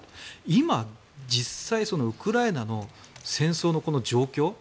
今、実際にウクライナの戦争の状況